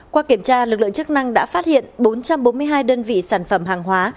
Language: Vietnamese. qua kiểm tra lực lượng chức năng đã phát hiện bốn trăm bốn mươi hai đơn vị sản phẩm hàng hóa